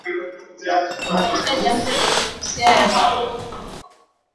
kati ya jamhuri ya kidemokrasia ya Kongo na Rwanda